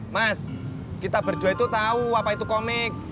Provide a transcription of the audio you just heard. mas kita berdua itu tahu apa itu komik